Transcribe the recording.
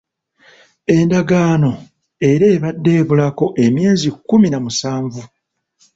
ENdagaano era ebadde ebulako emyezi kkumi na musanvu.